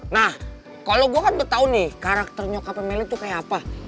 nah kalau gue kan tau nih karakter nyokapnya meli tuh kayak apa